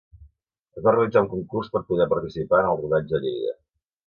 Es va realitzar un concurs per a poder participar en el rodatge a Lleida.